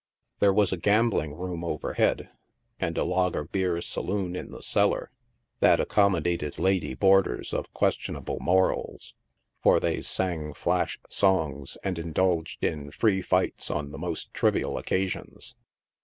There was a gambling room overhead, and a lagerbeer saloon in the cellar, that accommo dated lady boarders of questionable morals, for they sang flash songs and indulged in free fights on the most trivial occas ons.